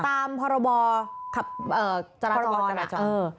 ตามพรบครับเออจราจรจราจรเออ